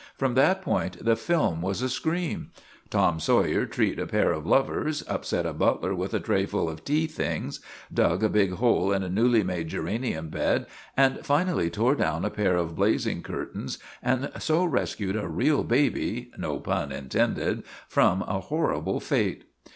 From that point the film was a scream. Tom Sawyer treed a pair of lovers, upset a butler with a tray full of tea things, dug a big hole in a newly made geranium bed, and finally tore down a pair of blazing curtains and so rescued a real baby (no pun intended) from a horrible fate.